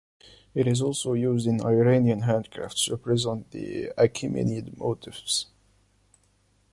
It is also used in Iranian handcrafts to represent the Achaemenid motifs.